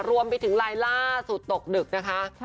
รวมไปถึงลายล่าสุดตกดึกนะคะ